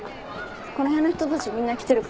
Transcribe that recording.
この辺の人たちみんな来てるから。